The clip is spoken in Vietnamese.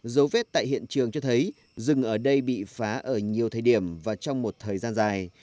dấu vết tại hiện trường cho thấy rừng ở đây bị phá ở nhiều thời điểm và trong một thời gian dài